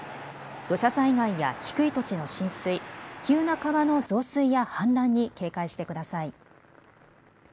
土砂災害や低い土地の浸水、急な川の増水や氾濫に警戒してください。